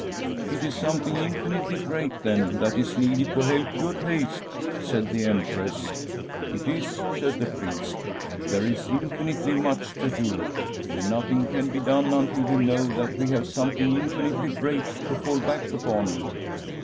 ' It is something in finitely great, then, that is needed to help you at Fr$m a SfFEDISH HOMESTEAD Heyst ?' said the Empress. ' It is/ said the priest ;' there is infinitely much to do. And nothing can be done until we know that we have something infinitely great to fall back upon.'